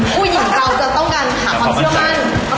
ผู้หญิงเราจะต้องการหาความเชื่อมั่น